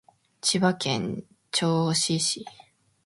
千葉県銚子市